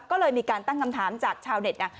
ก็เลยมีการตั้งคำถามจากชาวเน็ต